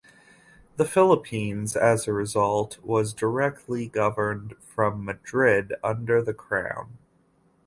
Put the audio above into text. The Philippines, as a result, was directly governed from Madrid, under the Crown.